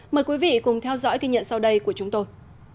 mời quý vị cùng theo dõi kỳ nhận sau đây của chúng tôi